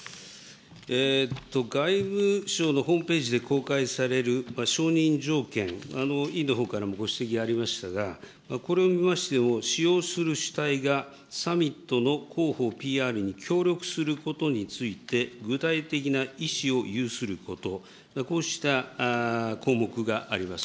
外務省のホームページで公開される承認条件、委員のほうからもご指摘ありましたが、これを見ましても、使用する主体がサミットの広報、ＰＲに協力することについて具体的な意思を有すること、こうした項目があります。